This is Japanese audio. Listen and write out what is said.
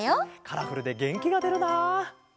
カラフルでげんきがでるな！